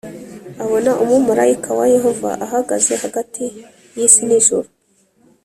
abona umumarayika wa Yehova ahagaze hagati y isi n ijuru